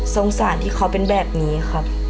สงสารที่เขาเป็นแบบนี้ครับ